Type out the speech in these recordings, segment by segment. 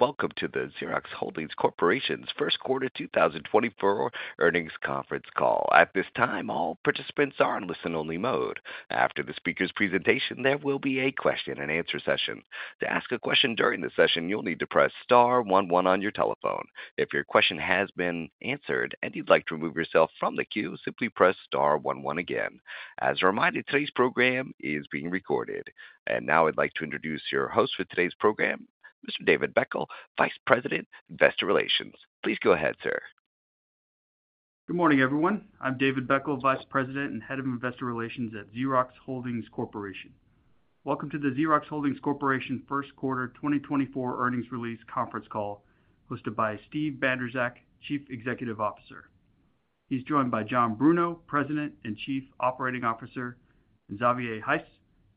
Welcome to the Xerox Holdings Corporation's first quarter 2024 earnings conference call. At this time, all participants are in listen-only mode. After the speaker's presentation, there will be a question-and-answer session. To ask a question during the session, you'll need to press star one one on your telephone. If your question has been answered and you'd like to remove yourself from the queue, simply press star one one again. As a reminder, today's program is being recorded. Now I'd like to introduce your host for today's program, Mr. David Beckel, Vice President, Investor Relations. Please go ahead, sir. Good morning, everyone. I'm David Beckel, Vice President and Head of Investor Relations at Xerox Holdings Corporation. Welcome to the Xerox Holdings Corporation first quarter 2024 earnings release conference call, hosted by Steve Bandrowczak, Chief Executive Officer. He's joined by John Bruno, President and Chief Operating Officer, and Xavier Heiss,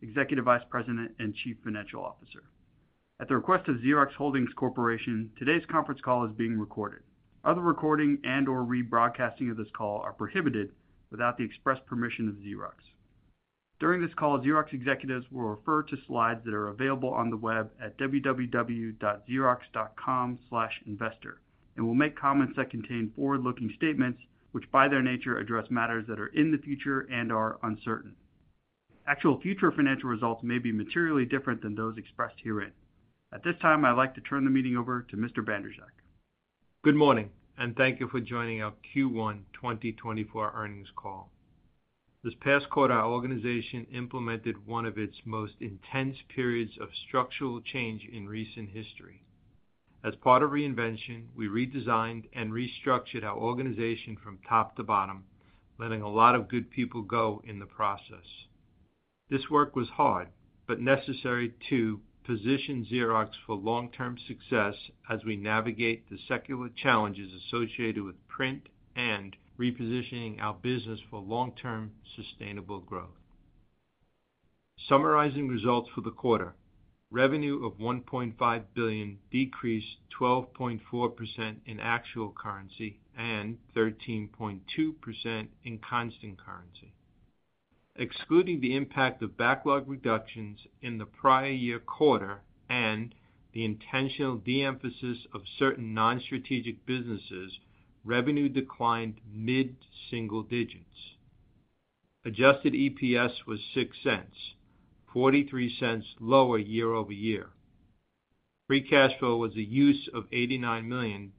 Executive Vice President and Chief Financial Officer. At the request of Xerox Holdings Corporation, today's conference call is being recorded. Other recording and/or rebroadcasting of this call are prohibited without the express permission of Xerox. During this call, Xerox executives will refer to slides that are available on the web at www.xerox.com/investor, and will make comments that contain forward-looking statements which, by their nature, address matters that are in the future and are uncertain. Actual future financial results may be materially different than those expressed herein. At this time, I'd like to turn the meeting over to Mr. Bandrowczak. Good morning, and thank you for joining our Q1 2024 earnings call. This past quarter, our organization implemented one of its most intense periods of structural change in recent history. As part of reinvention, we redesigned and restructured our organization from top to bottom, letting a lot of good people go in the process. This work was hard but necessary to position Xerox for long-term success as we navigate the secular challenges associated with print and repositioning our business for long-term sustainable growth. Summarizing results for the quarter: Revenue of $1.5 billion decreased 12.4% in actual currency and 13.2% in constant currency. Excluding the impact of backlog reductions in the prior-year quarter and the intentional de-emphasis of certain non-strategic businesses, revenue declined mid-single digits. Adjusted EPS was $0.06, $0.43 lower year-over-year. Free cash flow was a use of $89 million,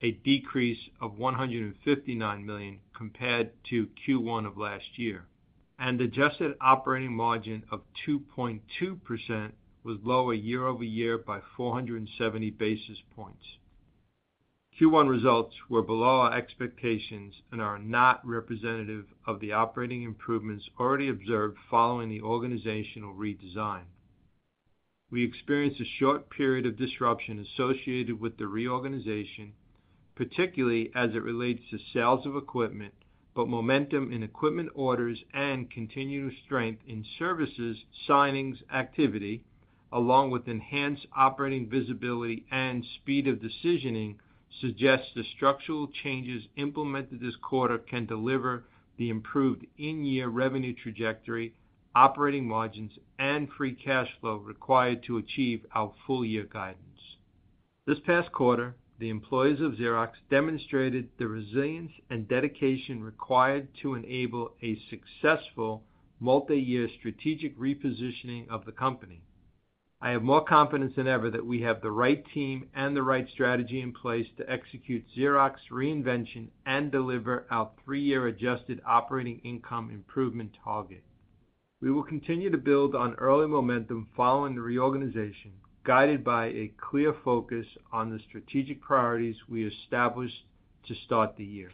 a decrease of $159 million compared to Q1 of last year. Adjusted operating margin of 2.2% was lower year-over-year by 470 basis points. Q1 results were below our expectations and are not representative of the operating improvements already observed following the organizational redesign. We experienced a short period of disruption associated with the reorganization, particularly as it relates to sales of equipment, but momentum in equipment orders and continual strength in services signings activity, along with enhanced operating visibility and speed of decisioning, suggests the structural changes implemented this quarter can deliver the improved in-year revenue trajectory, operating margins, and free cash flow required to achieve our full-year guidance. This past quarter, the employees of Xerox demonstrated the resilience and dedication required to enable a successful multi-year strategic repositioning of the company. I have more confidence than ever that we have the right team and the right strategy in place to execute Xerox's reinvention and deliver our three-year adjusted operating income improvement target. We will continue to build on early momentum following the reorganization, guided by a clear focus on the strategic priorities we established to start the year.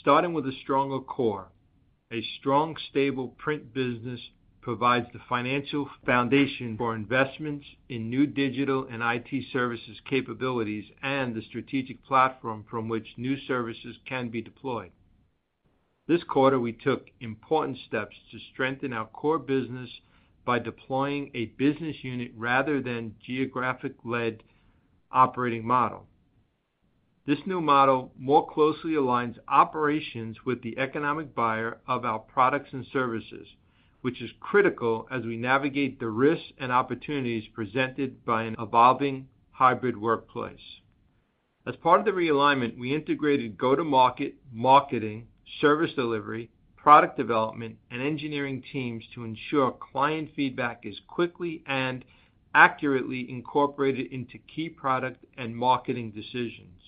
Starting with a stronger core, a strong, stable print business provides the financial foundation for investments in new digital and IT services capabilities and the strategic platform from which new services can be deployed. This quarter, we took important steps to strengthen our core business by deploying a business unit rather than a geographic-led operating model. This new model more closely aligns operations with the economic buyer of our products and services, which is critical as we navigate the risks and opportunities presented by an evolving hybrid workplace. As part of the realignment, we integrated go-to-market, marketing, service delivery, product development, and engineering teams to ensure client feedback is quickly and accurately incorporated into key product and marketing decisions.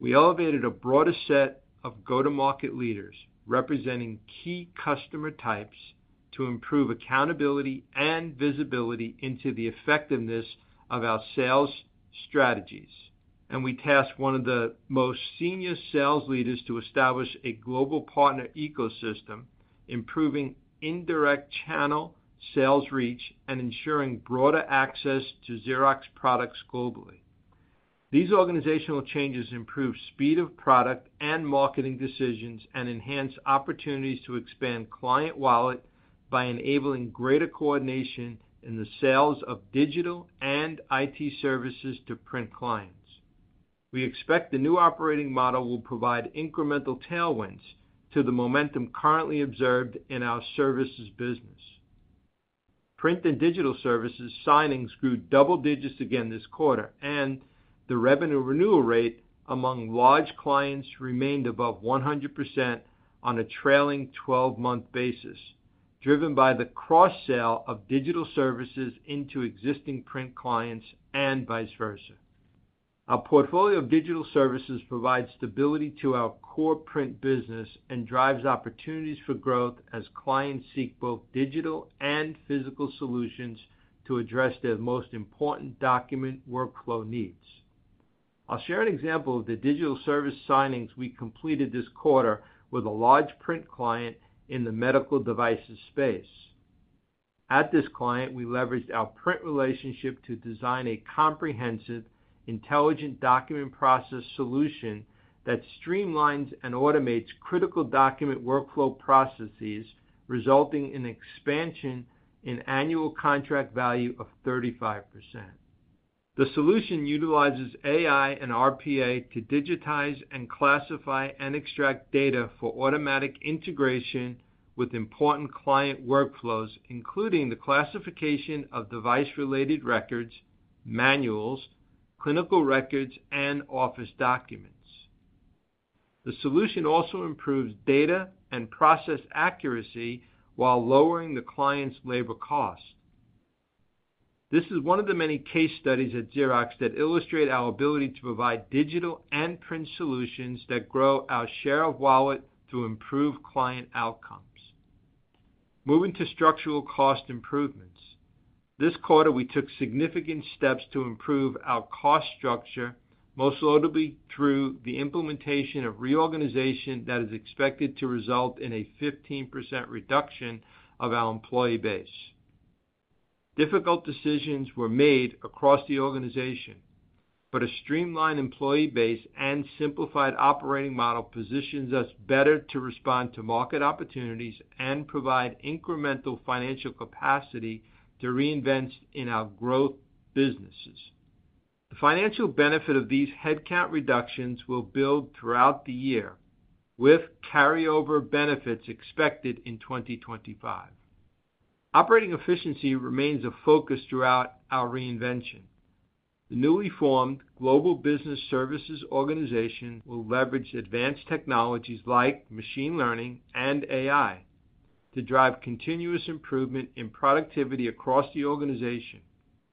We elevated a broader set of go-to-market leaders, representing key customer types, to improve accountability and visibility into the effectiveness of our sales strategies. We tasked one of the most senior sales leaders to establish a global partner ecosystem, improving indirect channel sales reach and ensuring broader access to Xerox products globally. These organizational changes improve speed of product and marketing decisions and enhance opportunities to expand client wallet by enabling greater coordination in the sales of digital and IT services to print clients. We expect the new operating model will provide incremental tailwinds to the momentum currently observed in our services business. Print and digital services signings grew double digits again this quarter, and the revenue renewal rate among large clients remained above 100% on a trailing 12-month basis, driven by the cross-sale of digital services into existing print clients and vice versa. Our portfolio of digital services provides stability to our core print business and drives opportunities for growth as clients seek both digital and physical solutions to address their most important document workflow needs. I'll share an example of the digital service signings we completed this quarter with a large print client in the medical devices space. At this client, we leveraged our print relationship to design a comprehensive, intelligent document process solution that streamlines and automates critical document workflow processes, resulting in an expansion in annual contract value of 35%. The solution utilizes AI and RPA to digitize, classify, and extract data for automatic integration with important client workflows, including the classification of device-related records, manuals, clinical records, and office documents. The solution also improves data and process accuracy while lowering the client's labor costs. This is one of the many case studies at Xerox that illustrate our ability to provide digital and print solutions that grow our share of wallet through improved client outcomes. Moving to structural cost improvements, this quarter we took significant steps to improve our cost structure, most notably through the implementation of reorganization that is expected to result in a 15% reduction of our employee base. Difficult decisions were made across the organization, but a streamlined employee base and simplified operating model positions us better to respond to market opportunities and provide incremental financial capacity to reinvent in our growth businesses. The financial benefit of these headcount reductions will build throughout the year, with carryover benefits expected in 2025. Operating efficiency remains a focus throughout our reinvention. The newly formed Global Business Services Organization will leverage advanced technologies like machine learning and AI to drive continuous improvement in productivity across the organization.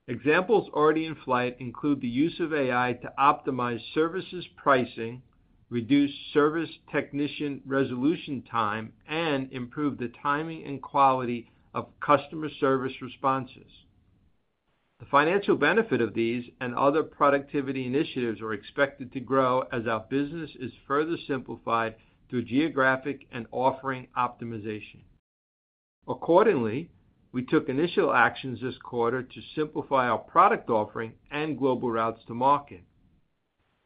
Examples already in flight include the use of AI to optimize services pricing, reduce service technician resolution time, and improve the timing and quality of customer service responses. The financial benefit of these and other productivity initiatives are expected to grow as our business is further simplified through geographic and offering optimization. Accordingly, we took initial actions this quarter to simplify our product offering and global routes to market.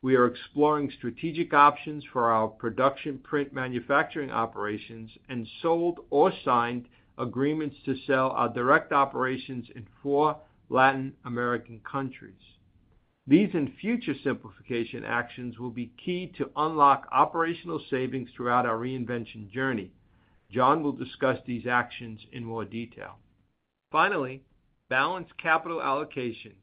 We are exploring strategic options for our production print manufacturing operations and sold or signed agreements to sell our direct operations in 4 Latin American countries. These and future simplification actions will be key to unlock operational savings throughout our reinvention journey. John will discuss these actions in more detail. Finally, balanced capital allocation.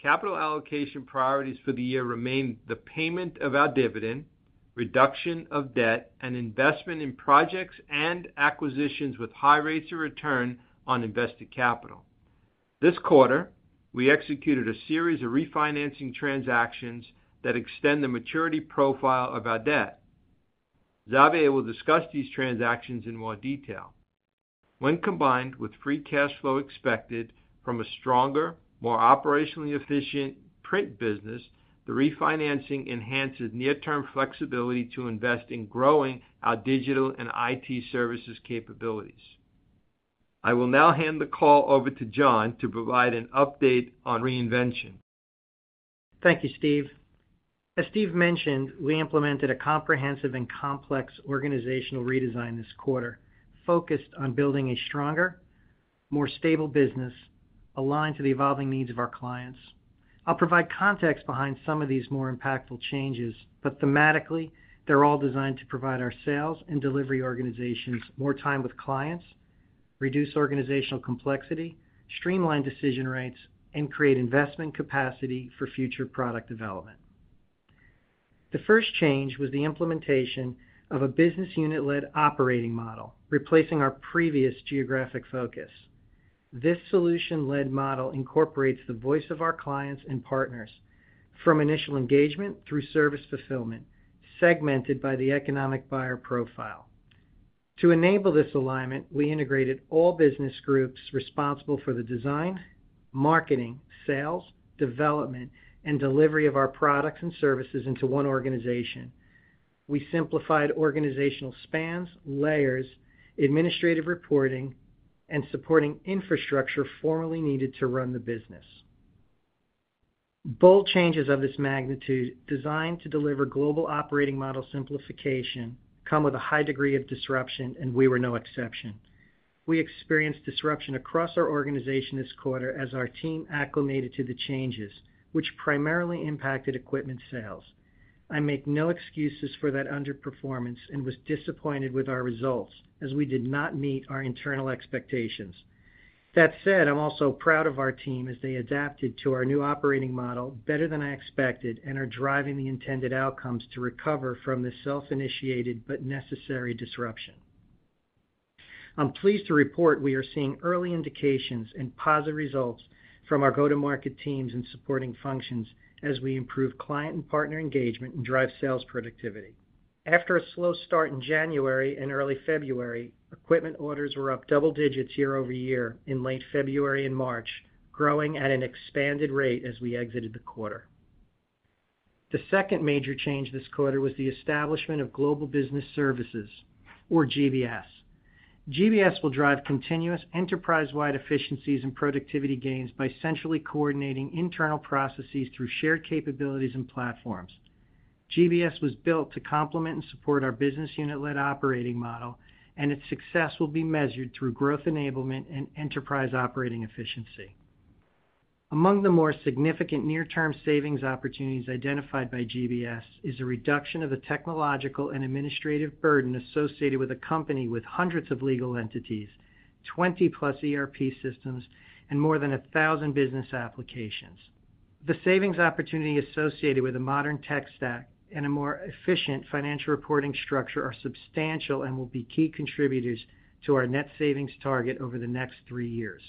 Capital allocation priorities for the year remain the payment of our dividend, reduction of debt, and investment in projects and acquisitions with high rates of return on invested capital. This quarter, we executed a series of refinancing transactions that extend the maturity profile of our debt. Xavier will discuss these transactions in more detail. When combined with free cash flow expected from a stronger, more operationally efficient print business, the refinancing enhances near-term flexibility to invest in growing our digital and IT services capabilities. I will now hand the call over to John to provide an update on reinvention. Thank you, Steve. As Steve mentioned, we implemented a comprehensive and complex organizational redesign this quarter, focused on building a stronger, more stable business aligned to the evolving needs of our clients. I'll provide context behind some of these more impactful changes, but thematically, they're all designed to provide our sales and delivery organizations more time with clients, reduce organizational complexity, streamline decision rates, and create investment capacity for future product development. The first change was the implementation of a business unit-led operating model, replacing our previous geographic focus. This solution-led model incorporates the voice of our clients and partners from initial engagement through service fulfillment, segmented by the economic buyer profile. To enable this alignment, we integrated all business groups responsible for the design, marketing, sales, development, and delivery of our products and services into one organization. We simplified organizational spans, layers, administrative reporting, and supporting infrastructure formally needed to run the business. Bold changes of this magnitude designed to deliver global operating model simplification come with a high degree of disruption, and we were no exception. We experienced disruption across our organization this quarter as our team acclimated to the changes, which primarily impacted equipment sales. I make no excuses for that underperformance and was disappointed with our results, as we did not meet our internal expectations. That said, I'm also proud of our team as they adapted to our new operating model better than I expected and are driving the intended outcomes to recover from this self-initiated but necessary disruption. I'm pleased to report we are seeing early indications and positive results from our go-to-market teams and supporting functions as we improve client and partner engagement and drive sales productivity. After a slow start in January and early February, equipment orders were up double digits year-over-year in late February and March, growing at an expanded rate as we exited the quarter. The second major change this quarter was the establishment of Global Business Services, or GBS. GBS will drive continuous enterprise-wide efficiencies and productivity gains by centrally coordinating internal processes through shared capabilities and platforms. GBS was built to complement and support our business unit-led operating model, and its success will be measured through growth enablement and enterprise operating efficiency. Among the more significant near-term savings opportunities identified by GBS is a reduction of the technological and administrative burden associated with a company with hundreds of legal entities, 20+ ERP systems, and more than 1,000 business applications. The savings opportunity associated with a modern tech stack and a more efficient financial reporting structure are substantial and will be key contributors to our net savings target over the next three years.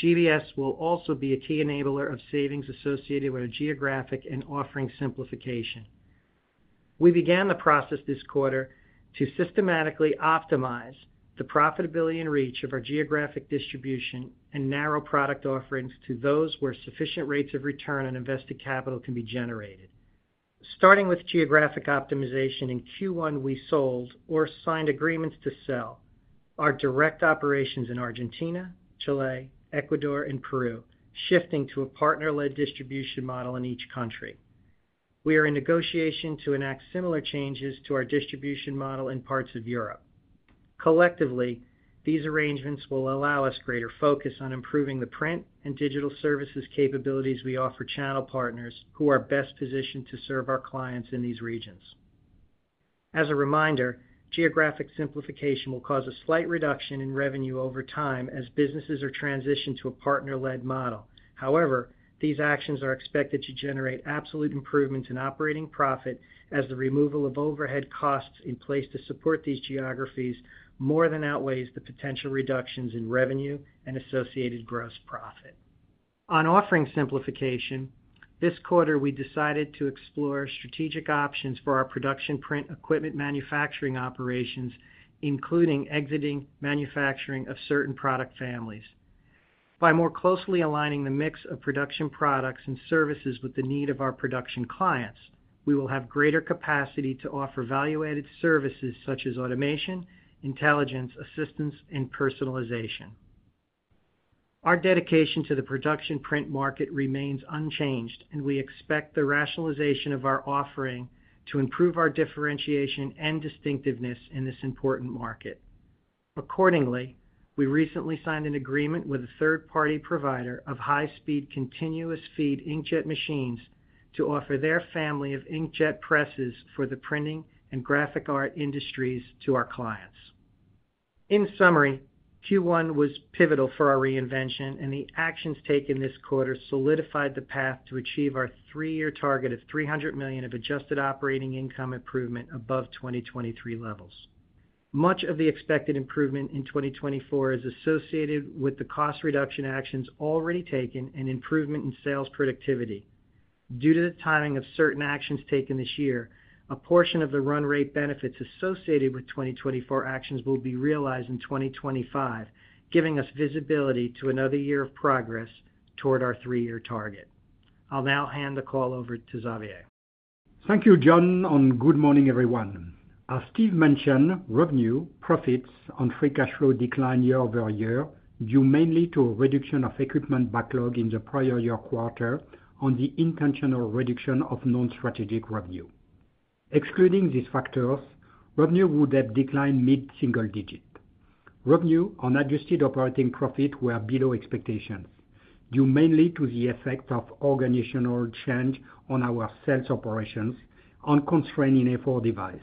GBS will also be a key enabler of savings associated with our geographic and offering simplification. We began the process this quarter to systematically optimize the profitability and reach of our geographic distribution and narrow product offerings to those where sufficient rates of return on invested capital can be generated. Starting with geographic optimization in Q1, we sold or signed agreements to sell our direct operations in Argentina, Chile, Ecuador, and Peru, shifting to a partner-led distribution model in each country. We are in negotiation to enact similar changes to our distribution model in parts of Europe. Collectively, these arrangements will allow us greater focus on improving the print and digital services capabilities we offer channel partners who are best positioned to serve our clients in these regions. As a reminder, geographic simplification will cause a slight reduction in revenue over time as businesses are transitioned to a partner-led model. However, these actions are expected to generate absolute improvements in operating profit as the removal of overhead costs in place to support these geographies more than outweighs the potential reductions in revenue and associated gross profit. On offering simplification, this quarter we decided to explore strategic options for our production print equipment manufacturing operations, including exiting manufacturing of certain product families. By more closely aligning the mix of production products and services with the need of our production clients, we will have greater capacity to offer value-added services such as automation, intelligence, assistance, and personalization. Our dedication to the production print market remains unchanged, and we expect the rationalization of our offering to improve our differentiation and distinctiveness in this important market. Accordingly, we recently signed an agreement with a third-party provider of high-speed continuous feed inkjet machines to offer their family of inkjet presses for the printing and graphic art industries to our clients. In summary, Q1 was pivotal for our reinvention, and the actions taken this quarter solidified the path to achieve our 3-year target of $300 million of adjusted operating income improvement above 2023 levels. Much of the expected improvement in 2024 is associated with the cost reduction actions already taken and improvement in sales productivity. Due to the timing of certain actions taken this year, a portion of the run rate benefits associated with 2024 actions will be realized in 2025, giving us visibility to another year of progress toward our three-year target. I'll now hand the call over to Xavier. Thank you, John, and good morning, everyone. As Steve mentioned, revenue, profits, and free cash flow decline year-over-year due mainly to a reduction of equipment backlog in the prior-year quarter and the intentional reduction of non-strategic revenue. Excluding these factors, revenue would have declined mid-single-digit. Revenue and adjusted operating profit were below expectations, due mainly to the effect of organizational change on our sales operations and constraining effort device,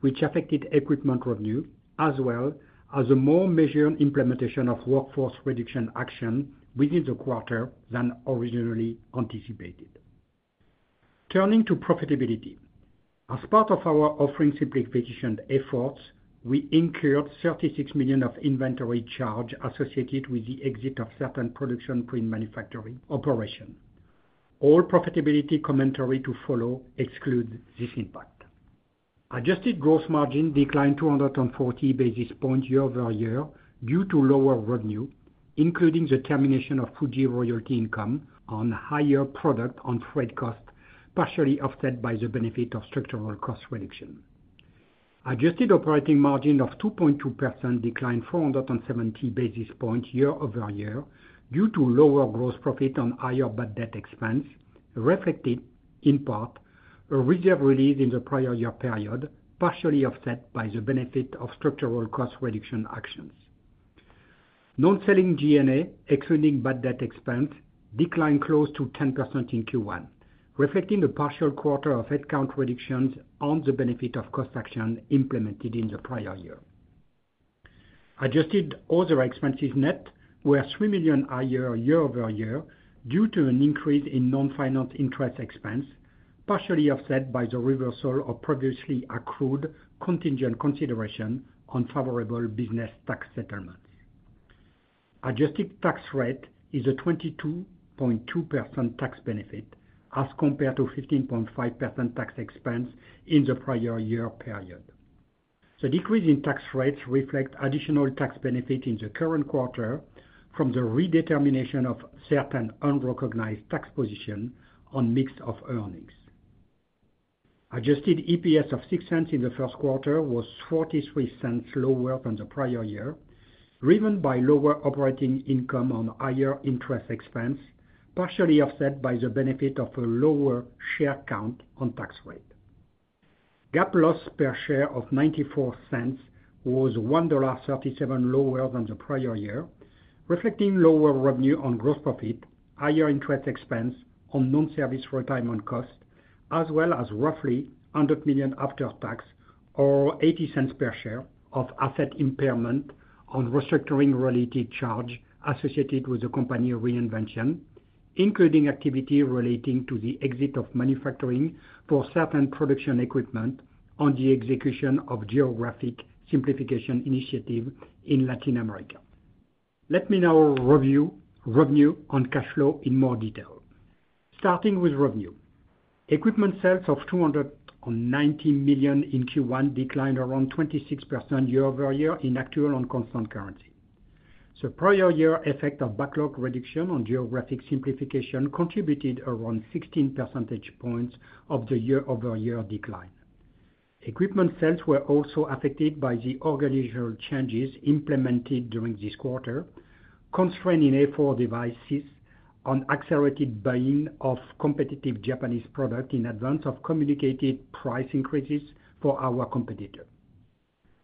which affected equipment revenue as well as a more measured implementation of workforce reduction action within the quarter than originally anticipated. Turning to profitability, as part of our offering simplification efforts, we incurred $36 million of inventory charge associated with the exit of certain production print manufacturing operations. All profitability commentary to follow excludes this impact. Adjusted gross margin declined 240 basis points year-over-year due to lower revenue, including the termination of Fuji royalty income and higher product and freight costs, partially offset by the benefit of structural cost reduction. Adjusted operating margin of 2.2% declined 470 basis points year-over-year due to lower gross profit and higher bad debt expense, reflected, in part, a reserve release in the prior year period, partially offset by the benefit of structural cost reduction actions. Non-selling G&A, excluding bad debt expense, declined close to 10% in Q1, reflecting the partial quarter of headcount reductions and the benefit of cost action implemented in the prior year. Adjusted other expenses net were $3 million flat year-over-year due to an increase in non-finance interest expense, partially offset by the reversal of previously accrued contingent consideration on favorable business tax settlements. Adjusted tax rate is a 22.2% tax benefit as compared to 15.5% tax expense in the prior year period. The decrease in tax rates reflects additional tax benefit in the current quarter from the redetermination of certain unrecognized tax positions and mix of earnings. Adjusted EPS of $0.06 in the first quarter was $0.43 lower than the prior year, driven by lower operating income and higher interest expense, partially offset by the benefit of a lower share count and tax rate. GAAP loss per share of $0.94 was $1.37 lower than the prior year, reflecting lower revenue and gross profit, higher interest expense and non-service retirement costs, as well as roughly $100 million after tax, or $0.80 per share of asset impairment and restructuring-related charge associated with the company reinvention, including activity relating to the exit of manufacturing for certain production equipment and the execution of geographic simplification initiatives in Latin America. Let me now review revenue and cash flow in more detail. Starting with revenue, equipment sales of $290 million in Q1 declined around 26% year-over-year in actual and constant currency. The prior year effect of backlog reduction and geographic simplification contributed around 16 percentage points of the year-over-year decline. Equipment sales were also affected by the organizational changes implemented during this quarter, constraining entry-level devices, and accelerated buying of competitive Japanese products in advance of communicated price increases for our competitor.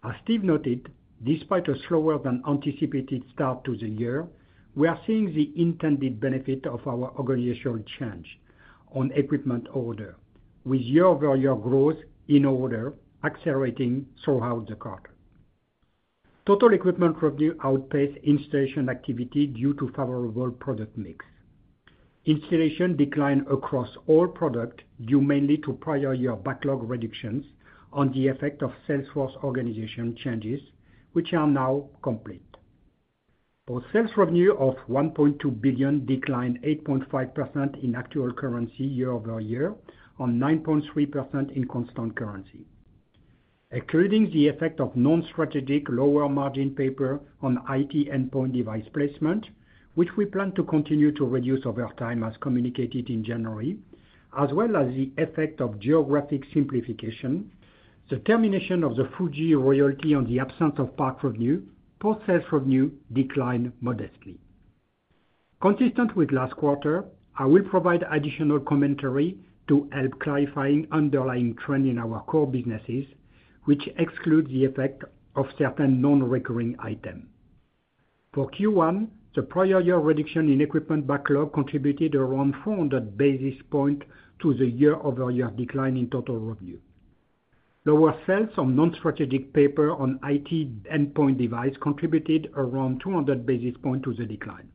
As Steve noted, despite a slower than anticipated start to the year, we are seeing the intended benefit of our organizational change on equipment orders, with year-over-year growth in orders accelerating throughout the quarter. Total equipment revenue outpaced installation activity due to favorable product mix. Installation declined across all products due mainly to prior-year backlog reductions and the effect of sales force organization changes, which are now complete. Post-sale revenue of $1.2 billion declined 8.5% in actual currency year-over-year and 9.3% in constant currency, including the effect of non-strategic lower-margin paper and IT endpoint device placement, which we plan to continue to reduce over time as communicated in January, as well as the effect of geographic simplification, the termination of the Fuji royalty and the absence of PARC revenue. Post-sale revenue declined modestly. Consistent with last quarter, I will provide additional commentary to help clarify an underlying trend in our core businesses, which excludes the effect of certain non-recurring items. For Q1, the prior year reduction in equipment backlog contributed around 400 basis points to the year-over-year decline in total revenue. Lower sales and non-strategic paper and IT endpoint device contributed around 200 basis points to the decline.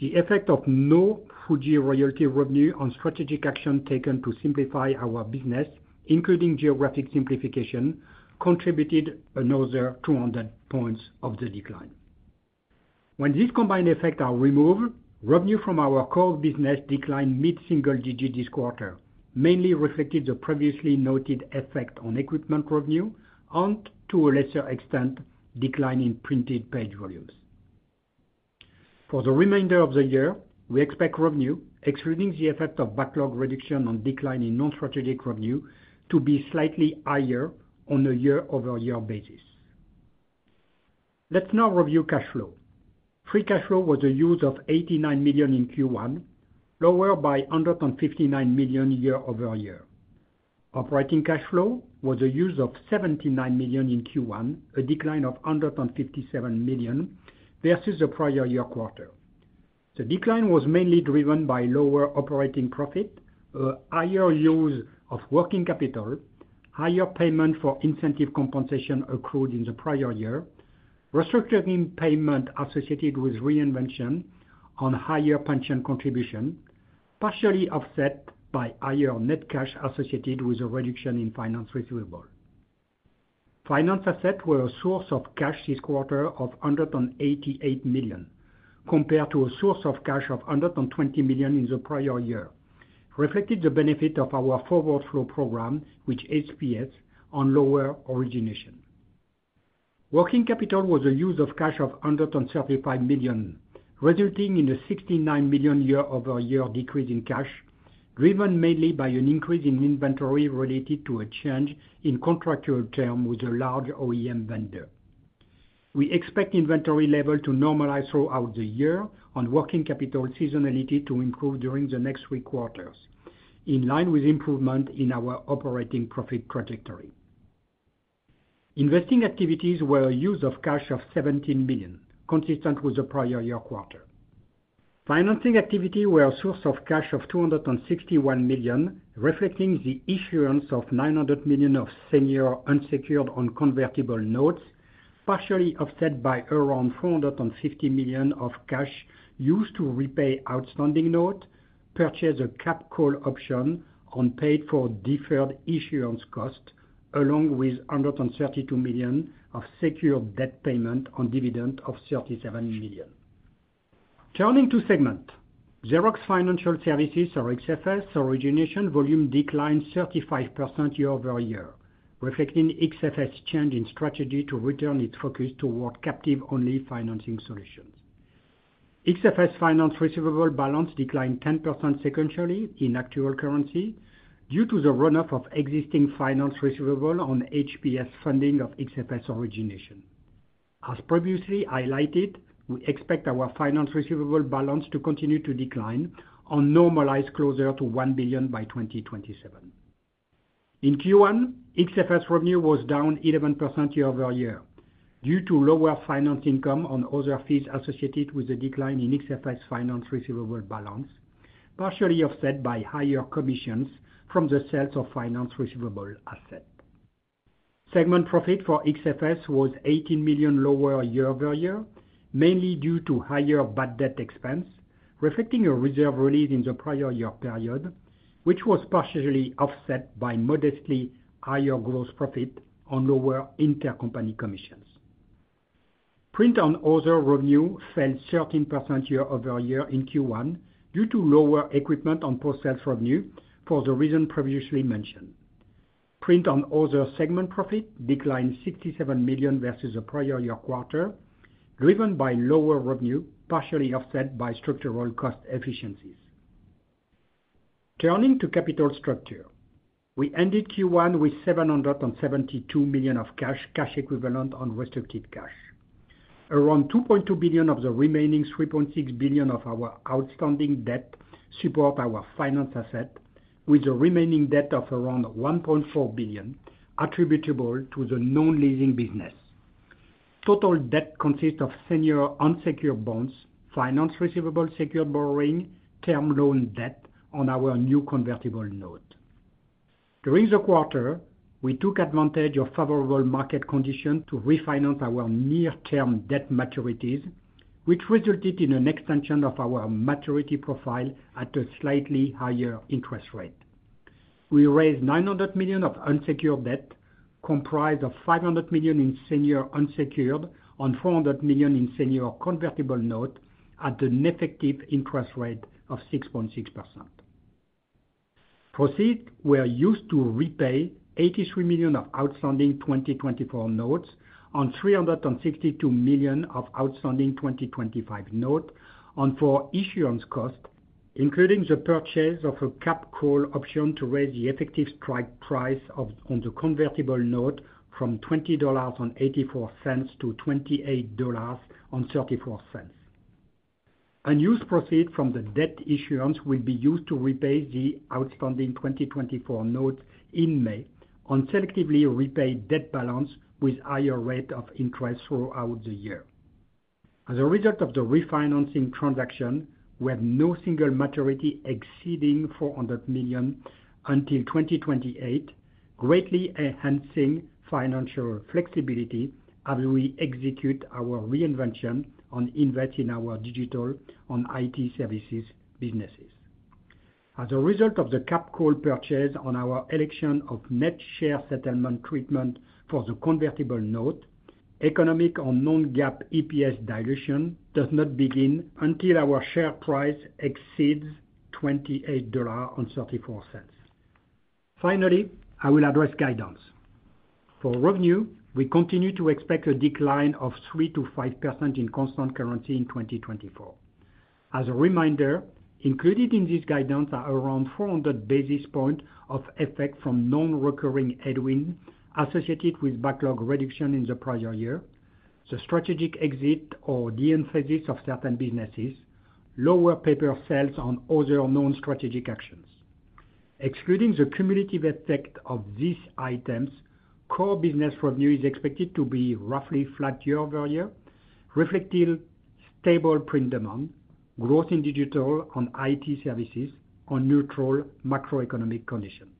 The effect of no Fuji royalty revenue and strategic action taken to simplify our business, including geographic simplification, contributed another 200 points of the decline. When these combined effects are removed, revenue from our core business declined mid-single digit this quarter, mainly reflecting the previously noted effect on equipment revenue and, to a lesser extent, decline in printed page volumes. For the remainder of the year, we expect revenue, excluding the effect of backlog reduction and decline in non-strategic revenue, to be slightly higher on a year-over-year basis. Let's now review cash flow. Free cash flow was a use of $89 million in Q1, lower by $159 million year-over-year. Operating cash flow was a use of $79 million in Q1, a decline of $157 million versus the prior year quarter. The decline was mainly driven by lower operating profit, a higher use of working capital, higher payment for incentive compensation accrued in the prior year, restructuring payment associated with reinvention and higher pension contribution, partially offset by higher net cash associated with a reduction in finance receivable. Finance assets were a source of cash this quarter of $188 million compared to a source of cash of $120 million in the prior year, reflecting the benefit of our Forward Flow program, which HPS, and lower origination. Working capital was a use of cash of $135 million, resulting in a $69 million year-over-year decrease in cash, driven mainly by an increase in inventory related to a change in contractual term with a large OEM vendor. We expect inventory level to normalize throughout the year and working capital seasonality to improve during the next three quarters, in line with improvement in our operating profit trajectory. Investing activities were a use of cash of $17 million, consistent with the prior year quarter. Financing activity were a source of cash of $261 million, reflecting the issuance of $900 million of senior unsecured and convertible notes, partially offset by around $450 million of cash used to repay outstanding notes, purchase a cap call option, and paid for deferred issuance costs, along with $132 million of secured debt payment and dividend of $37 million. Turning to segment, Xerox Financial Services or XFS origination volume declined 35% year-over-year, reflecting XFS' change in strategy to return its focus toward captive-only financing solutions. XFS' finance receivable balance declined 10% sequentially in actual currency due to the runoff of existing finance receivable and HPS funding of XFS origination. As previously highlighted, we expect our finance receivable balance to continue to decline and normalize closer to $1 billion by 2027. In Q1, XFS revenue was down 11% year-over-year due to lower finance income and other fees associated with the decline in XFS' finance receivable balance, partially offset by higher commissions from the sales of finance receivable assets. Segment profit for XFS was $18 million lower year-over-year, mainly due to higher bad debt expense, reflecting a reserve release in the prior year period, which was partially offset by modestly higher gross profit and lower intercompany commissions. Print and other revenue fell 13% year-over-year in Q1 due to lower equipment and post-sales revenue for the reason previously mentioned. Print and other segment profit declined $67 million versus the prior year quarter, driven by lower revenue, partially offset by structural cost efficiencies. Turning to capital structure, we ended Q1 with $772 million of cash, cash equivalent and restricted cash. Around $2.2 billion of the remaining $3.6 billion of our outstanding debt support our finance assets, with the remaining debt of around $1.4 billion attributable to the non-leasing business. Total debt consists of senior unsecured bonds, finance receivable secured borrowing, term loan debt on our new convertible note. During the quarter, we took advantage of favorable market conditions to refinance our near-term debt maturities, which resulted in an extension of our maturity profile at a slightly higher interest rate. We raised $900 million of unsecured debt, comprised of $500 million in senior unsecured and $400 million in senior convertible notes at an effective interest rate of 6.6%. Proceeds were used to repay $83 million of outstanding 2024 notes and $362 million of outstanding 2025 notes and for issuance costs, including the purchase of a cap call option to raise the effective strike price on the convertible note from $20.84-$28.34. Unused proceeds from the debt issuance will be used to repay the outstanding 2024 notes in May and selectively repay debt balance with higher rate of interest throughout the year. As a result of the refinancing transaction, we have no single maturity exceeding $400 million until 2028, greatly enhancing financial flexibility as we execute our reinvention and invest in our digital and IT services businesses. As a result of the cap call purchase and our election of net share settlement treatment for the convertible note, economic and non-GAAP EPS dilution does not begin until our share price exceeds $28.34. Finally, I will address guidance. For revenue, we continue to expect a decline of 3%-5% in constant currency in 2024. As a reminder, included in this guidance are around 400 basis points of effect from non-recurring headwind associated with backlog reduction in the prior year, the strategic exit or de-emphases of certain businesses, lower paper sales and other non-strategic actions. Excluding the cumulative effect of these items, core business revenue is expected to be roughly flat year-over-year, reflecting stable print demand, growth in digital and IT services and neutral macroeconomic conditions.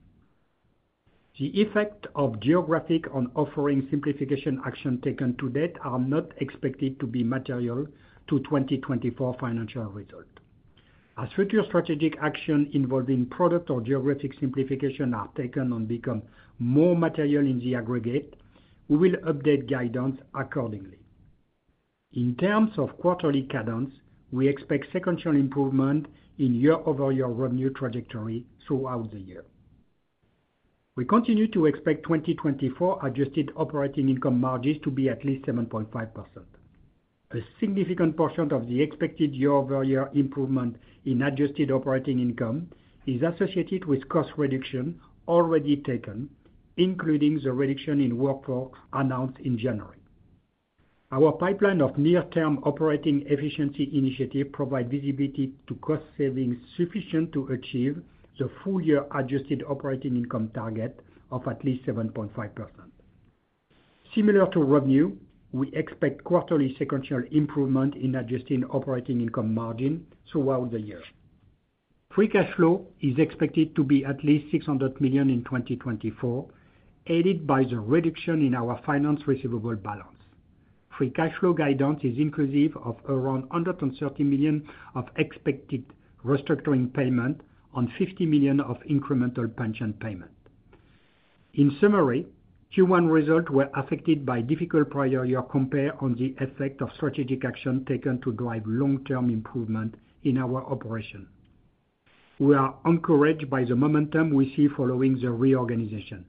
The effect of geographic and offering simplification action taken to date are not expected to be material to 2024 financial result. As future strategic actions involving product or geographic simplification are taken and become more material in the aggregate, we will update guidance accordingly. In terms of quarterly cadence, we expect sequential improvement in year-over-year revenue trajectory throughout the year. We continue to expect 2024 adjusted operating income margins to be at least 7.5%. A significant portion of the expected year-over-year improvement in adjusted operating income is associated with cost reduction already taken, including the reduction in workforce announced in January. Our pipeline of near-term operating efficiency initiatives provides visibility to cost savings sufficient to achieve the full-year adjusted operating income target of at least 7.5%. Similar to revenue, we expect quarterly sequential improvement in adjusted operating income margin throughout the year. Free cash flow is expected to be at least $600 million in 2024, aided by the reduction in our finance receivable balance. Free cash flow guidance is inclusive of around $130 million of expected restructuring payment and $50 million of incremental pension payment. In summary, Q1 results were affected by difficult prior year compared to the effect of strategic actions taken to drive long-term improvement in our operation. We are encouraged by the momentum we see following the reorganization.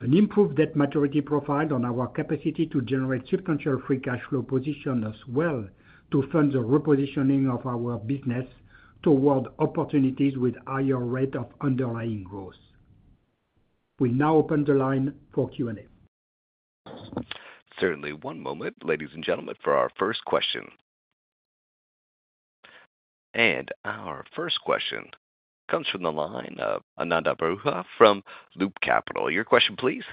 An improved debt maturity profile and our capacity to generate substantial free cash flow position us well to fund the repositioning of our business toward opportunities with higher rate of underlying growth. We'll now open the line for Q&A. Certainly. One moment, ladies and gentlemen, for our first question. Our first question comes from the line of Ananda Baruah from Loop Capital. Your question, please.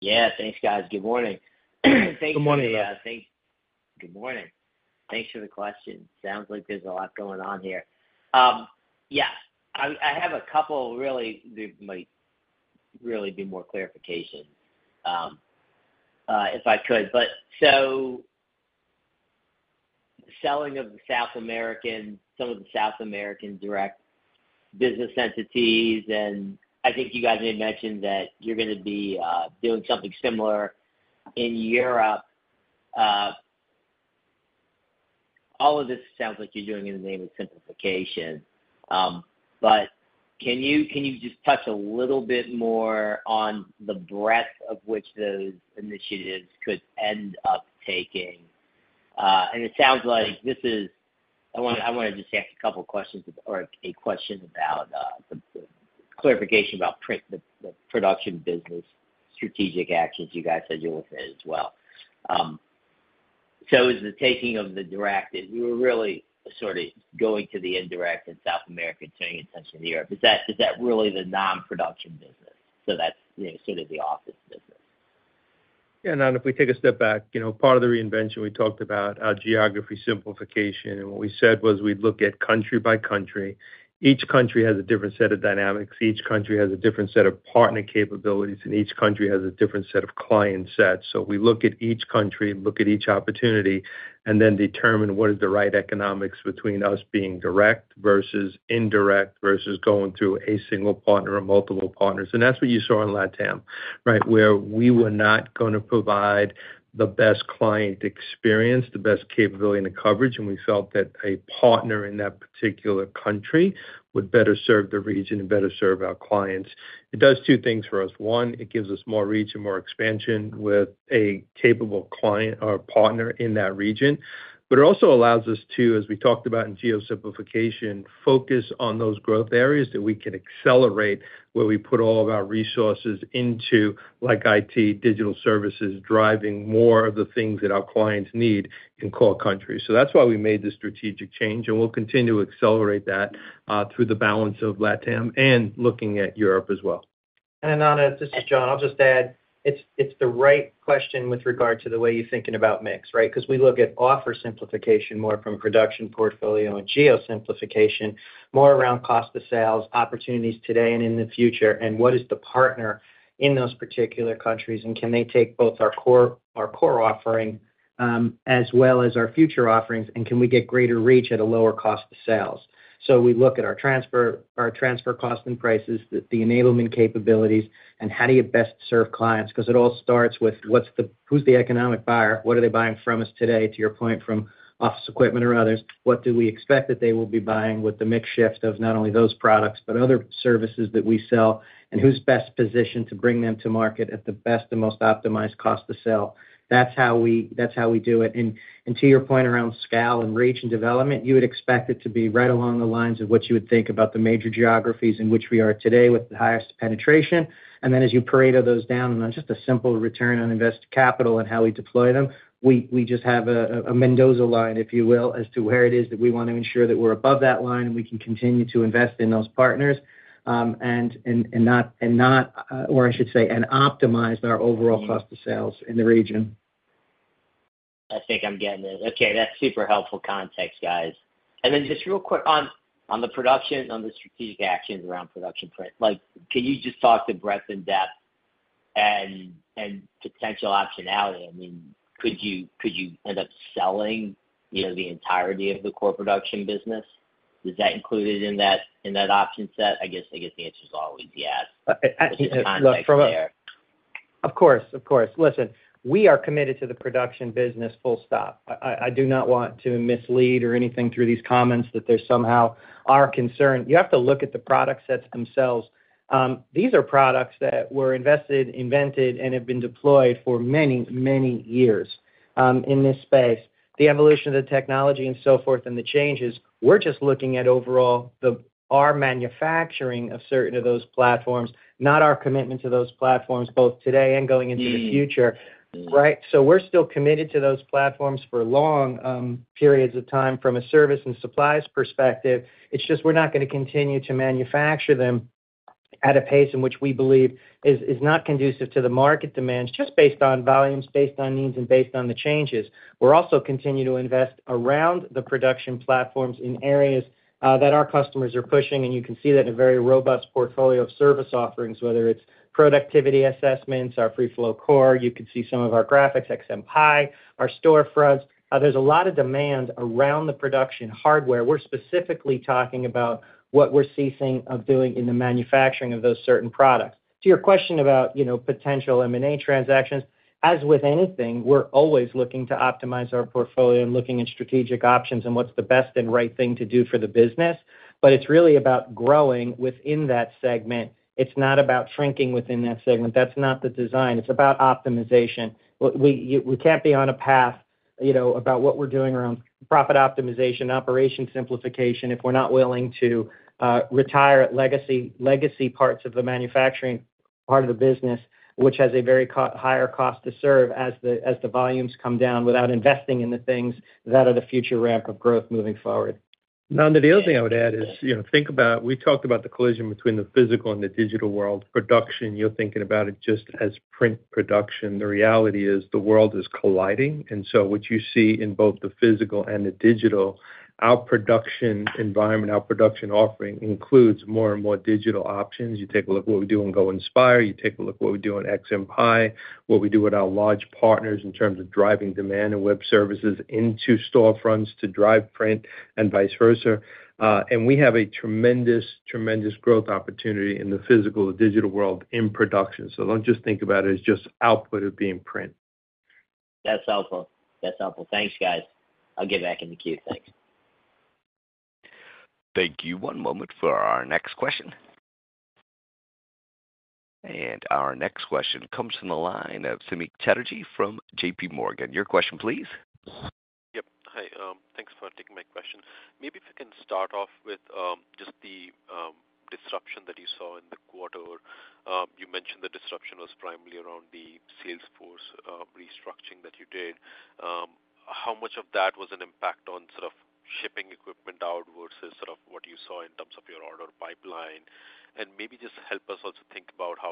Yeah. Thanks, guys. Good morning. Thank you. Good morning. Yeah. Thanks. Good morning. Thanks for the question. Sounds like there's a lot going on here. Yeah. I have a couple really there might really be more clarifications if I could. But so selling of some of the South American direct business entities, and I think you guys may have mentioned that you're going to be doing something similar in Europe. All of this sounds like you're doing in the name of simplification. But can you just touch a little bit more on the breadth of which those initiatives could end up taking? And it sounds like this is I want to just ask a couple of questions or a question about clarification about the production business strategic actions you guys are dealing with as well. So is the taking of the direct you were really sort of going to the indirect in South America, turning attention to Europe. Is that really the non-production business? So that's sort of the office business. Yeah. And if we take a step back, part of the reinvention we talked about, geography simplification, and what we said was we'd look at country by country. Each country has a different set of dynamics. Each country has a different set of partner capabilities. And each country has a different set of client sets. So we look at each country, look at each opportunity, and then determine what is the right economics between us being direct versus indirect versus going through a single partner or multiple partners. And that's what you saw in Latam, right, where we were not going to provide the best client experience, the best capability and the coverage. And we felt that a partner in that particular country would better serve the region and better serve our clients. It does two things for us. One, it gives us more reach and more expansion with a capable partner in that region. But it also allows us to, as we talked about in geo-simplification, focus on those growth areas that we can accelerate where we put all of our resources into, like IT, digital services, driving more of the things that our clients need in core countries. So that's why we made the strategic change. And we'll continue to accelerate that through the balance of Latam and looking at Europe as well. And Ananda, this is John. I'll just add. It's the right question with regard to the way you're thinking about mix, right, because we look at offer simplification more from production portfolio and geo-simplification, more around cost of sales, opportunities today and in the future, and what is the partner in those particular countries, and can they take both our core offering as well as our future offerings, and can we get greater reach at a lower cost of sales? So we look at our transfer costs and prices, the enablement capabilities, and how do you best serve clients? Because it all starts with who's the economic buyer? What are they buying from us today, to your point, from office equipment or others? What do we expect that they will be buying with the mix shift of not only those products but other services that we sell? And who's best positioned to bring them to market at the best and most optimized cost of sale? That's how we do it. And to your point around scale and reach and development, you would expect it to be right along the lines of what you would think about the major geographies in which we are today with the highest penetration. And then as you pare those down and just a simple Return on Invested Capital and how we deploy them, we just have a Mendoza Line, if you will, as to where it is that we want to ensure that we're above that line and we can continue to invest in those partners and not, or I should say, and optimize our overall cost of sales in the region. I think I'm getting it. Okay. That's super helpful context, guys. And then just real quick on the production and on the strategic actions around production print, can you just talk to breadth and depth and potential optionality? I mean, could you end up selling the entirety of the core production business? Is that included in that option set? I guess the answer is always yes. Just the context there. Of course. Of course. Listen, we are committed to the production business, full stop. I do not want to mislead or anything through these comments that there somehow are concerned. You have to look at the product sets themselves. These are products that were invested, invented, and have been deployed for many, many years in this space. The evolution of the technology and so forth and the changes, we're just looking at overall our manufacturing of certain of those platforms, not our commitment to those platforms, both today and going into the future, right? So we're still committed to those platforms for long periods of time from a service and supplies perspective. It's just we're not going to continue to manufacture them at a pace in which we believe is not conducive to the market demands, just based on volumes, based on needs, and based on the changes. We're also continuing to invest around the production platforms in areas that our customers are pushing. And you can see that in a very robust portfolio of service offerings, whether it's productivity assessments, our FreeFlow Core, you could see some of our graphics, XMPie, our storefronts. There's a lot of demand around the production hardware. We're specifically talking about what we're ceasing of doing in the manufacturing of those certain products. To your question about potential M&A transactions, as with anything, we're always looking to optimize our portfolio and looking at strategic options and what's the best and right thing to do for the business. But it's really about growing within that segment. It's not about shrinking within that segment. That's not the design. It's about optimization. We can't be on a path about what we're doing around profit optimization, operation simplification if we're not willing to retire legacy parts of the manufacturing part of the business, which has a very higher cost to serve as the volumes come down without investing in the things that are the future ramp of growth moving forward. Ananda, the other thing I would add is think about we talked about the collision between the physical and the digital world. Production, you're thinking about it just as print production. The reality is the world is colliding. And so what you see in both the physical and the digital, our production environment, our production offering includes more and more digital options. You take a look at what we do in Go Inspire. You take a look at what we do in XMPie, what we do with our large partners in terms of driving demand and web services into storefronts to drive print and vice versa. And we have a tremendous, tremendous growth opportunity in the physical, the digital world in production. So don't just think about it as just output of being print. That's helpful. That's helpful. Thanks, guys. I'll get back in the queue. Thanks. Thank you. One moment for our next question. Our next question comes from the line of Samik Chatterjee from JPMorgan. Your question, please. Yep. Hi. Thanks for taking my question. Maybe if we can start off with just the disruption that you saw in the quarter. You mentioned the disruption was primarily around the sales force restructuring that you did. How much of that was an impact on sort of shipping equipment out versus sort of what you saw in terms of your order pipeline? And maybe just help us also think about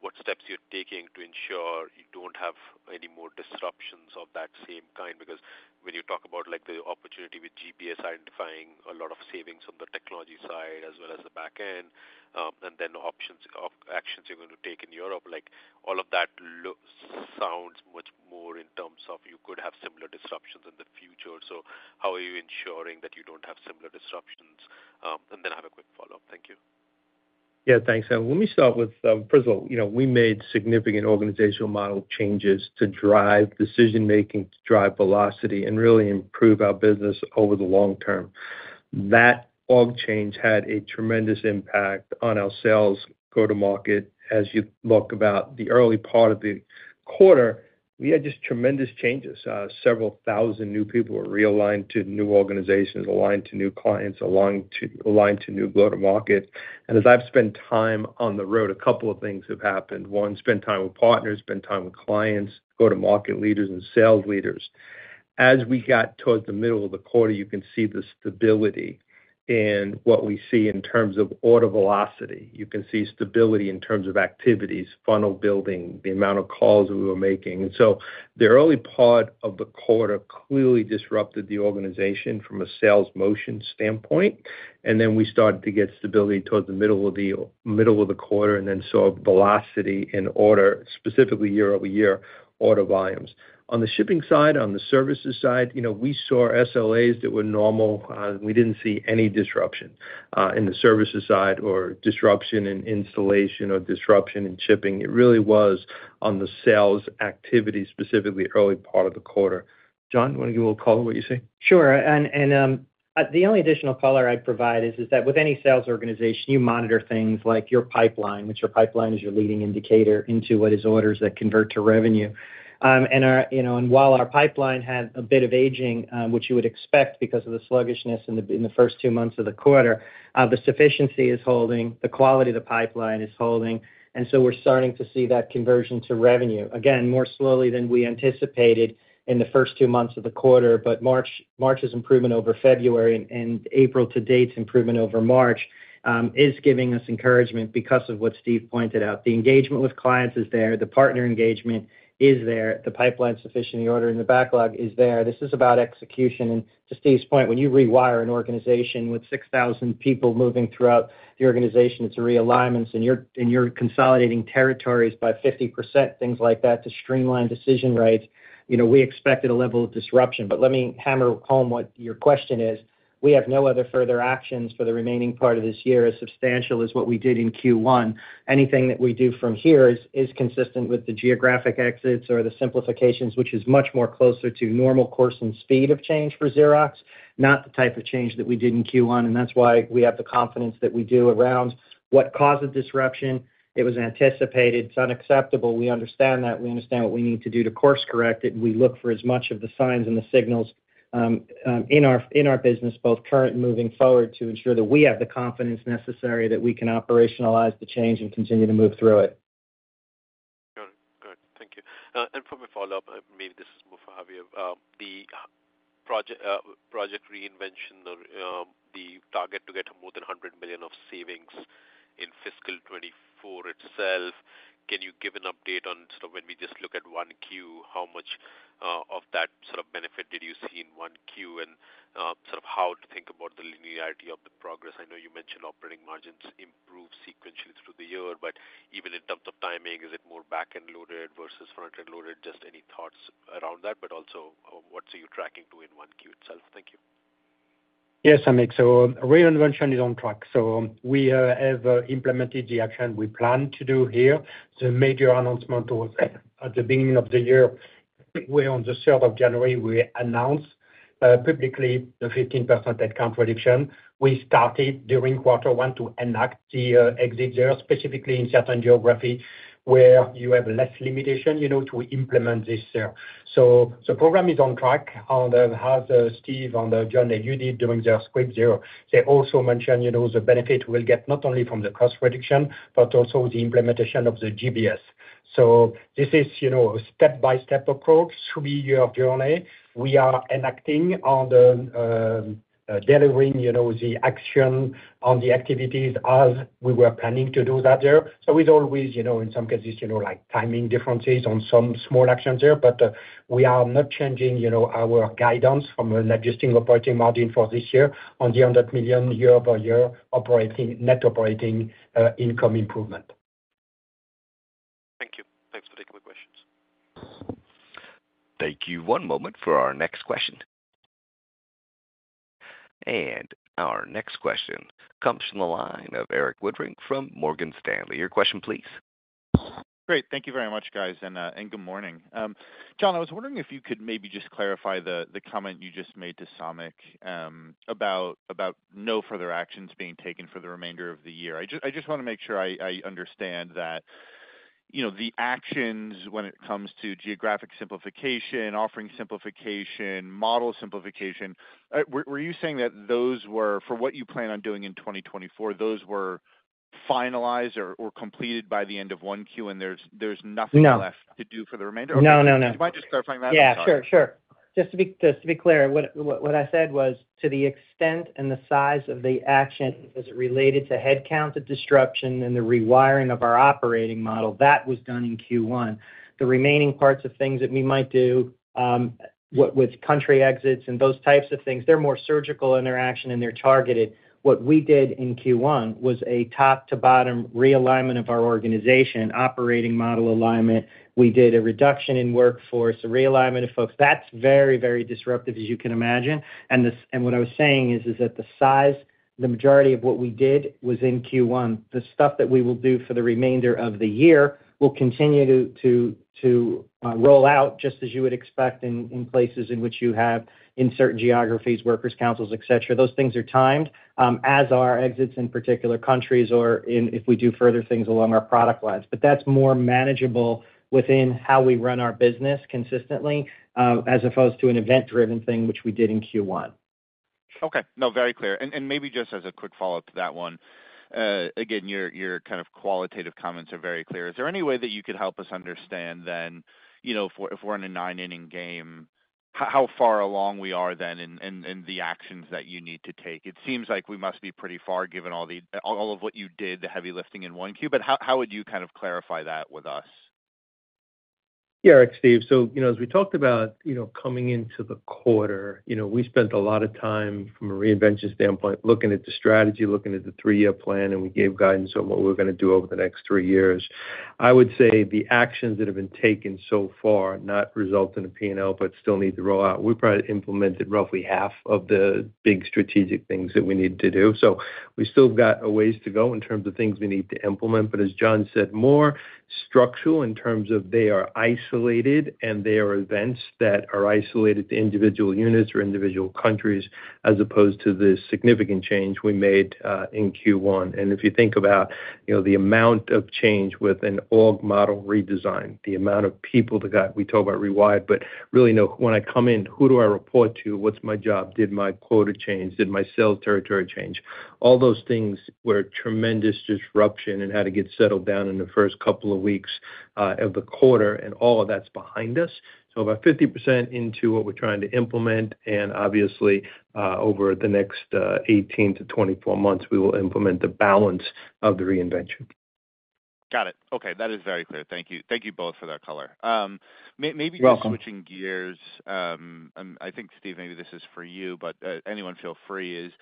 what steps you're taking to ensure you don't have any more disruptions of that same kind because when you talk about the opportunity with GBS identifying a lot of savings on the technology side as well as the backend and then the actions you're going to take in Europe, all of that sounds much more in terms of you could have similar disruptions in the future. So how are you ensuring that you don't have similar disruptions? And then I have a quick follow-up. Thank you. Yeah. Thanks, Ananda. Let me start with first of all, we made significant organizational model changes to drive decision-making, to drive velocity, and really improve our business over the long term. That org change had a tremendous impact on our sales go-to-market. As you look about the early part of the quarter, we had just tremendous changes. Several thousand new people were realigned to new organizations, aligned to new clients, aligned to new go-to-market. As I've spent time on the road, a couple of things have happened. One, spent time with partners, spent time with clients, go-to-market leaders, and sales leaders. As we got towards the middle of the quarter, you can see the stability in what we see in terms of order velocity. You can see stability in terms of activities, funnel building, the amount of calls that we were making. So the early part of the quarter clearly disrupted the organization from a sales motion standpoint. Then we started to get stability towards the middle of the quarter and then saw velocity in order, specifically year-over-year, order volumes. On the shipping side, on the services side, we saw SLAs that were normal. We didn't see any disruption in the services side or disruption in installation or disruption in shipping. It really was on the sales activity, specifically early part of the quarter. John, do you want to give a little color what you see? Sure. And the only additional color I'd provide is that with any sales organization, you monitor things like your pipeline, which your pipeline is your leading indicator into what is orders that convert to revenue. And while our pipeline had a bit of aging, which you would expect because of the sluggishness in the first two months of the quarter, the sufficiency is holding. The quality of the pipeline is holding. And so we're starting to see that conversion to revenue, again, more slowly than we anticipated in the first two months of the quarter. But March's improvement over February and April to date's improvement over March is giving us encouragement because of what Steve pointed out. The engagement with clients is there. The partner engagement is there. The pipeline sufficiency order in the backlog is there. This is about execution. And to Steve's point, when you rewire an organization with 6,000 people moving throughout the organization, it's realignments. And you're consolidating territories by 50%, things like that, to streamline decision rights. We expected a level of disruption. But let me hammer home what your question is. We have no other further actions for the remaining part of this year as substantial as what we did in Q1. Anything that we do from here is consistent with the geographic exits or the simplifications, which is much more closer to normal course and speed of change for Xerox, not the type of change that we did in Q1. And that's why we have the confidence that we do around what caused the disruption. It was anticipated. It's unacceptable. We understand that. We understand what we need to do to course-correct it. And we look for as much of the signs and the signals in our business, both current and moving forward, to ensure that we have the confidence necessary that we can operationalize the change and continue to move through it. Got it. Good. Thank you. For my follow-up, maybe this is more for Xavier, the project reinvention or the target to get more than $100 million of savings in fiscal 2024 itself, can you give an update on sort of when we just look at Q1, how much of that sort of benefit did you see in Q1 and sort of how to think about the linearity of the progress? I know you mentioned operating margins improve sequentially through the year, but even in terms of timing, is it more backend-loaded versus frontend-loaded? Just any thoughts around that, but also what are you tracking to in Q1 itself? Thank you. Yes, Ananda. So reinvention is on track. So we have implemented the action we planned to do here. The major announcement was at the beginning of the year. On the 3rd of January, we announced publicly the 15% headcount reduction. We started during quarter one to enact the exit year, specifically in certain geography where you have less limitation to implement this year. So the program is on track, as Steve and John alluded during their script zero. They also mentioned the benefit we'll get not only from the cost reduction but also the implementation of the GBS. So this is a step-by-step approach through your journey. We are enacting and delivering the action on the activities as we were planning to do that year. So it's always, in some cases, timing differences on some small actions here. But we are not changing our guidance from an adjusted operating margin for this year on the $100 million year-over-year net operating income improvement. Thank you. Thanks for taking my questions. Thank you. One moment for our next question. Our next question comes from the line of Erik Woodring from Morgan Stanley. Your question, please. Great. Thank you very much, guys, and good morning. John, I was wondering if you could maybe just clarify the comment you just made to Samik about no further actions being taken for the remainder of the year. I just want to make sure I understand that the actions when it comes to geographic simplification, offering simplification, model simplification, were you saying that those were, for what you plan on doing in 2024, those were finalized or completed by the end of Q1 and there's nothing left to do for the remainder? Okay. Do you mind just clarifying that? Yeah. Sure. Sure. Just to be clear, what I said was to the extent and the size of the action as it related to headcount disruption and the rewiring of our operating model, that was done in Q1. The remaining parts of things that we might do with country exits and those types of things, they're more surgical in their action and they're targeted. What we did in Q1 was a top-to-bottom realignment of our organization, operating model alignment. We did a reduction in workforce, a realignment of folks. That's very, very disruptive, as you can imagine. And what I was saying is that the majority of what we did was in Q1. The stuff that we will do for the remainder of the year will continue to roll out just as you would expect in places in which you have, in certain geographies, workers' councils, etc. Those things are timed, as are exits in particular countries or if we do further things along our product lines. But that's more manageable within how we run our business consistently as opposed to an event-driven thing, which we did in Q1. Okay. No, very clear. And maybe just as a quick follow-up to that one, again, your kind of qualitative comments are very clear. Is there any way that you could help us understand then, if we're in a nine-inning game, how far along we are then in the actions that you need to take? It seems like we must be pretty far given all of what you did, the heavy lifting in one Q, but how would you kind of clarify that with us? Yeah, Erik, Steve. As we talked about coming into the quarter, we spent a lot of time, from a reinvention standpoint, looking at the strategy, looking at the three-year plan, and we gave guidance on what we were going to do over the next three years. I would say the actions that have been taken so far, not result in a P&L but still need to roll out, we probably implemented roughly half of the big strategic things that we needed to do. We still got a ways to go in terms of things we need to implement. But as John said, more structural in terms of they are isolated and they are events that are isolated to individual units or individual countries as opposed to the significant change we made in Q1. And if you think about the amount of change with an org model redesign, the amount of people that got—we talk about rewired, but really, when I come in, who do I report to? What's my job? Did my quota change? Did my sales territory change? All those things were tremendous disruption and had to get settled down in the first couple of weeks of the quarter. And all of that's behind us. So about 50% into what we're trying to implement. And obviously, over the next 18-24 months, we will implement the balance of the reinvention. Got it. Okay. That is very clear. Thank you. Thank you both for that color. Maybe just switching gears. I think, Steve, maybe this is for you, but anyone feel free. Is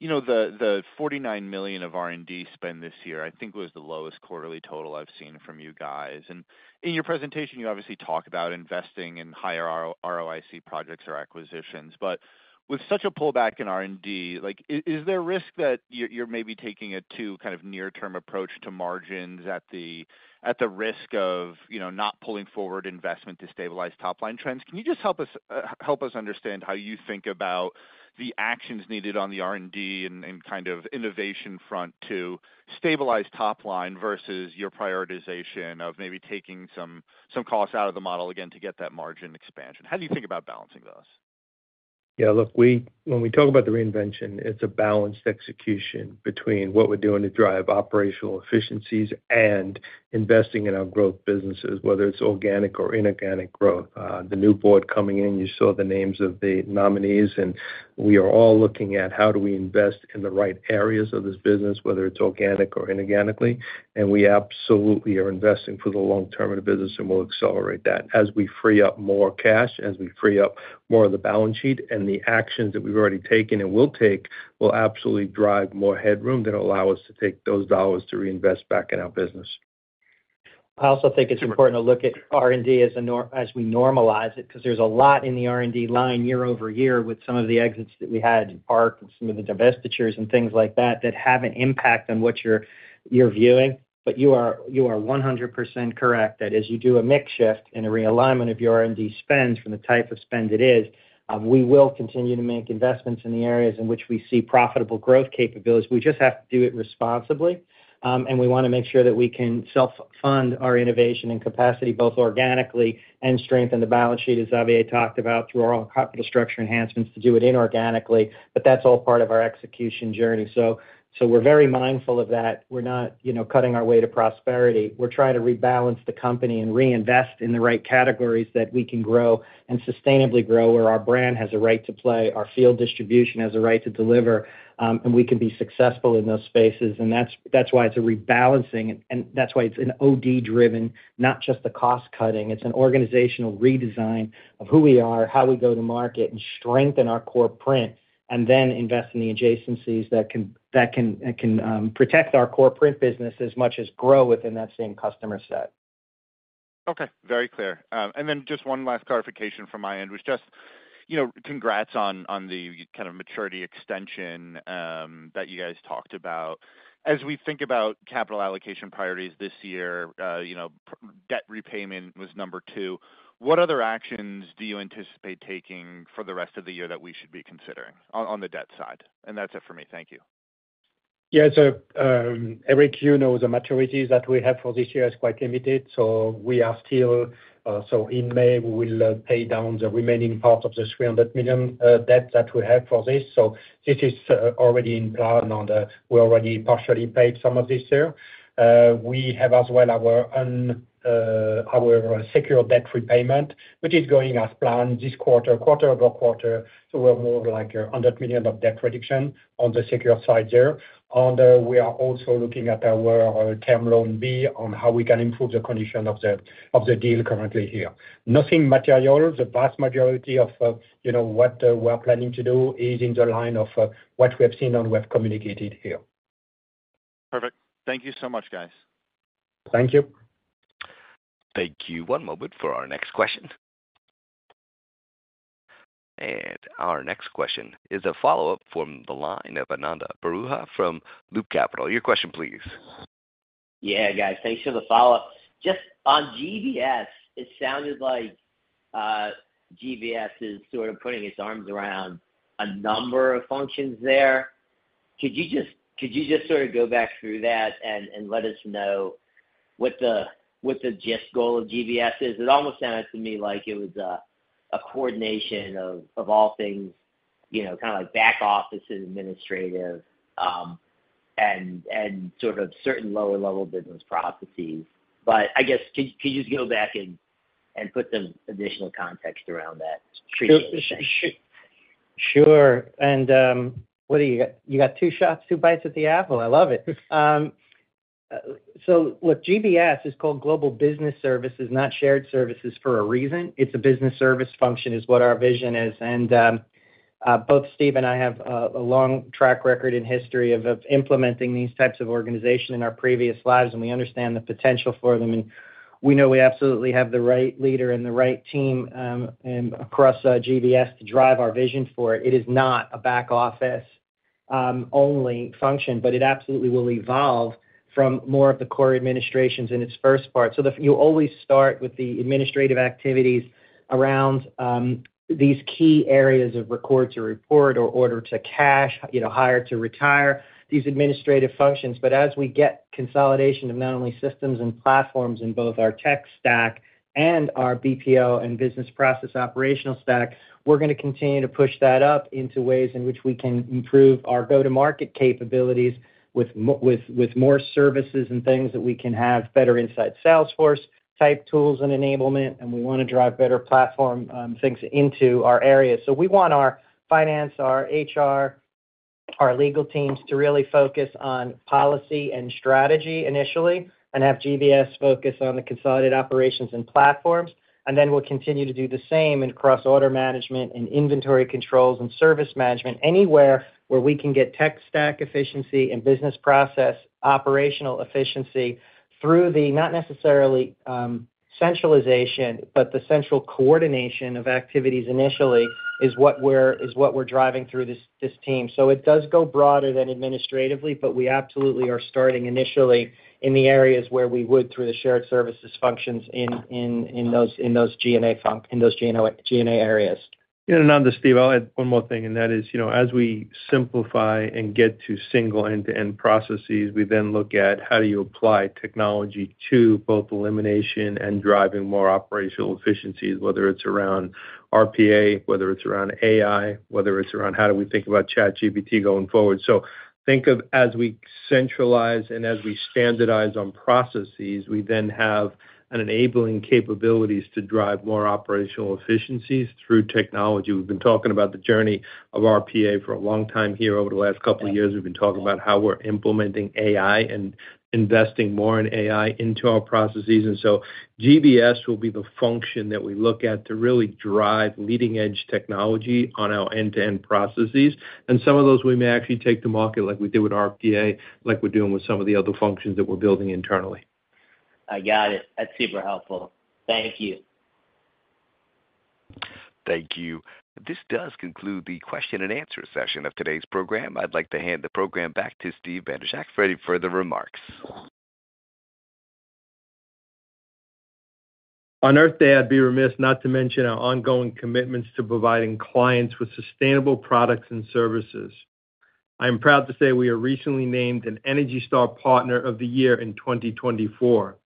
the $49 million of R&D spent this year, I think, was the lowest quarterly total I've seen from you guys. And in your presentation, you obviously talk about investing in higher ROIC projects or acquisitions. But with such a pullback in R&D, is there risk that you're maybe taking a too kind of near-term approach to margins at the risk of not pulling forward investment to stabilize top-line trends? Can you just help us understand how you think about the actions needed on the R&D and kind of innovation front to stabilize top-line versus your prioritization of maybe taking some costs out of the model again to get that margin expansion? How do you think about balancing those? Yeah. Look, when we talk about the reinvention, it's a balanced execution between what we're doing to drive operational efficiencies and investing in our growth businesses, whether it's organic or inorganic growth. The new board coming in, you saw the names of the nominees. We are all looking at how do we invest in the right areas of this business, whether it's organic or inorganically. We absolutely are investing for the long term of the business, and we'll accelerate that as we free up more cash, as we free up more of the balance sheet. The actions that we've already taken and will take will absolutely drive more headroom that will allow us to take those dollars to reinvest back in our business. I also think it's important to look at R&D as we normalize it because there's a lot in the R&D line year over year with some of the exits that we had in PARC and some of the divestitures and things like that that haven't impacted on what you're viewing. But you are 100% correct that as you do a mix shift and a realignment of your R&D spends from the type of spend it is, we will continue to make investments in the areas in which we see profitable growth capabilities. We just have to do it responsibly. And we want to make sure that we can self-fund our innovation and capacity both organically and strengthen the balance sheet, as Xavier talked about, through our own capital structure enhancements to do it inorganically. But that's all part of our execution journey. So we're very mindful of that. We're not cutting our way to prosperity. We're trying to rebalance the company and reinvest in the right categories that we can grow and sustainably grow where our brand has a right to play, our field distribution has a right to deliver, and we can be successful in those spaces. And that's why it's a rebalancing, and that's why it's an OD-driven, not just a cost-cutting. It's an organizational redesign of who we are, how we go to market, and strengthen our core print, and then invest in the adjacencies that can protect our core print business as much as grow within that same customer set. Okay. Very clear. And then just one last clarification from my end was just congrats on the kind of maturity extension that you guys talked about. As we think about capital allocation priorities this year, debt repayment was number two. What other actions do you anticipate taking for the rest of the year that we should be considering on the debt side? And that's it for me. Thank you. Yeah. So every Q knows the maturities that we have for this year is quite limited. So we are still so in May, we will pay down the remaining part of the $300 million debt that we have for this. So this is already in plan, and we already partially paid some of this year. We have as well our secured debt repayment, which is going as planned this quarter-over-quarter. So we're more like $100 million of debt reduction on the secure side there. And we are also looking at our Term Loan B on how we can improve the condition of the deal currently here. Nothing material. The vast majority of what we're planning to do is in the line of what we have seen and we have communicated here. Perfect. Thank you so much, guys. Thank you. Thank you. One moment for our next question. And our next question is a follow-up from the line of Ananda Baruah from Loop Capital. Your question, please. Yeah, guys. Thanks for the follow-up. Just on GBS, it sounded like GBS is sort of putting its arms around a number of functions there. Could you just sort of go back through that and let us know what the gist goal of GBS is? It almost sounded to me like it was a coordination of all things kind of like back office, administrative, and sort of certain lower-level business processes. But I guess, could you just go back and put some additional context around that treatment? Sure. And what do you got? You got two shots, two bites at the apple. I love it. So look, GBS is called Global Business Services, not Shared Services, for a reason. It's a business service function is what our vision is. And both Steve and I have a long track record and history of implementing these types of organization in our previous lives, and we understand the potential for them. And we know we absolutely have the right leader and the right team across GBS to drive our vision for it. It is not a back office-only function, but it absolutely will evolve from more of the core administrations in its first part. So you always start with the administrative activities around these key areas of record to report or order to cash, hire to retire, these administrative functions. But as we get consolidation of not only systems and platforms in both our tech stack and our BPO and business process operational stack, we're going to continue to push that up into ways in which we can improve our go-to-market capabilities with more services and things that we can have, better inside sales force-type tools and enablement. And we want to drive better platform things into our area. So we want our finance, our HR, our legal teams to really focus on policy and strategy initially and have GBS focus on the consolidated operations and platforms. And then we'll continue to do the same in cross-order management and inventory controls and service management anywhere where we can get tech stack efficiency and business process operational efficiency through the not necessarily centralization, but the central coordination of activities initially is what we're driving through this team. So it does go broader than administratively, but we absolutely are starting initially in the areas where we would through the shared services functions in those G&A areas. Yeah. And Ananda, Steve, I'll add one more thing. And that is, as we simplify and get to single end-to-end processes, we then look at how do you apply technology to both elimination and driving more operational efficiencies, whether it's around RPA, whether it's around AI, whether it's around how do we think about ChatGPT going forward. So think of as we centralize and as we standardize on processes, we then have an enabling capabilities to drive more operational efficiencies through technology. We've been talking about the journey of RPA for a long time here. Over the last couple of years, we've been talking about how we're implementing AI and investing more in AI into our processes. And so GBS will be the function that we look at to really drive leading-edge technology on our end-to-end processes. And some of those we may actually take to market like we did with RPA, like we're doing with some of the other functions that we're building internally. I got it. That's super helpful. Thank you. Thank you. This does conclude the question-and-answer session of today's program. I'd like to hand the program back to Steve Bandrowczak for any further remarks. On Earth Day, I'd be remiss not to mention our ongoing commitments to providing clients with sustainable products and services. I am proud to say we are recently named an Energy Star Partner of the Year in 2024.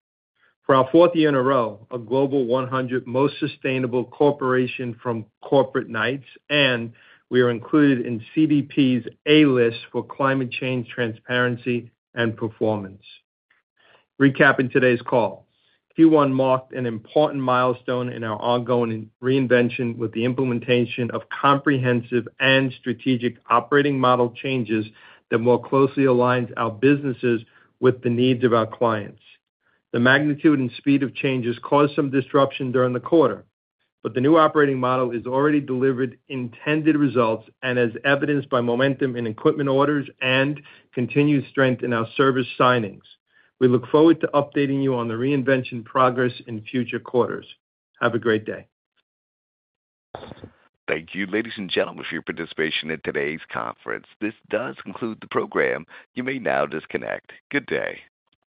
For our fourth year in a row, a Global 100 most sustainable corporation from Corporate Knights, and we are included in CDP's A List for climate change transparency and performance. Recapping today's call, Q1 marked an important milestone in our ongoing reinvention with the implementation of comprehensive and strategic operating model changes that more closely aligns our businesses with the needs of our clients. The magnitude and speed of changes caused some disruption during the quarter, but the new operating model is already delivering intended results and as evidenced by momentum in equipment orders and continued strength in our service signings. We look forward to updating you on the reinvention progress in future quarters. Have a great day. Thank you, ladies and gentlemen, for your participation in today's conference. This does conclude the program. You may now disconnect. Good day.